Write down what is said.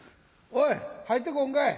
おい入ってこんかい。